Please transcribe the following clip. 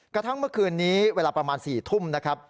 กระทั่งเมื่อคืนนี้เวลาประมาณ๔ทุ่มนะครับ